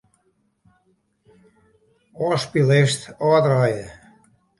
Ofspyllist ôfdraaie.